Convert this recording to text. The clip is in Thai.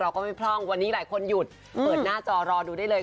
ก็ไม่พร่องวันนี้หลายคนหยุดเปิดหน้าจอรอดูได้เลย